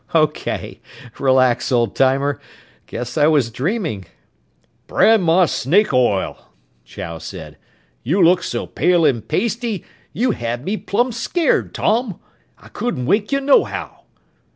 "Okay. Relax, old timer! Guess I was dreaming." "Brand my snake oil!" Chow said. "You looked so pale an' pasty, you had me plumb scared, Tom! I couldn't wake you nohow!"